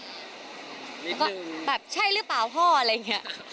แล้วก็แบบใช่รึเปล่าพ่ออะไรเงี้ย